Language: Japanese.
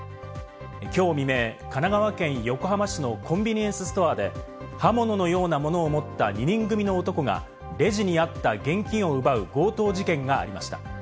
きょう未明、神奈川県横浜市のコンビニエンスストアで、刃物のようなものを持った２人組の男がレジにあった現金を奪う強盗事件がありました。